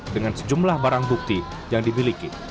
dengan sejumlah barang bukti yang dimiliki